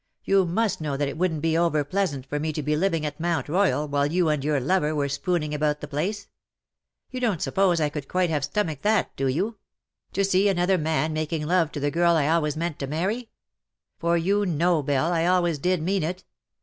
You must know that it wouldn't be over pleasant for me to be living at Mount Royal while you and your lover were spooning about tlie place. You don't suppose I could quite have stomached that, do you — to sec another man making 80 ^' LOVE WILL HAVE HIS DAY." love to the girl I always meant to marry ?— for you know^ Belle, I always did mean it.